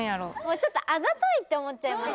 ちょっとあざといって思っちゃいます